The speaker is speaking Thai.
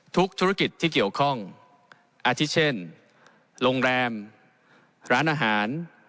ธุรกิจที่เกี่ยวข้องอาทิตเช่นโรงแรมร้านอาหาร